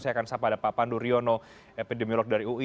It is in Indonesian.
saya akan sapa ada pak pandu riono epidemiolog dari ui